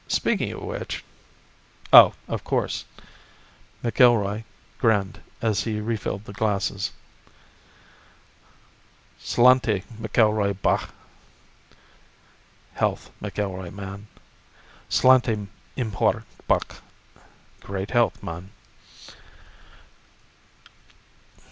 Speaking of which " "Oh, of course," McIlroy grinned as he refilled the glasses. "Slainte, McIlroy, bach." [Health, McIlroy, man.] "Slainte mhor, bach." [Great Health, man.